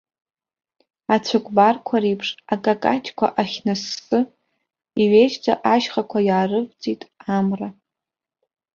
Ацәыкәбарқәа реиԥш акакаҷқәа ахьныссы, иҩежьӡа ашьхақәа иаарывҵит амра.